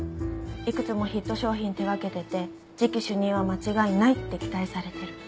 いくつもヒット商品手がけてて次期主任は間違いないって期待されてる。